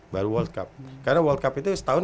baru world cup karena world cup itu setahun